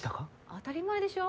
当たり前でしょ。